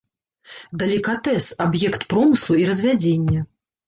Далікатэс, аб'ект промыслу і развядзення.